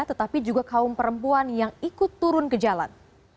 tetapi juga kaum perempuan yang ikut turun ke jalan